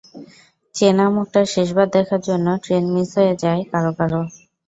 চেনা মুখটা শেষবার দেখার জন্য ট্রেন মিস হয়ে যায় কারও কারও।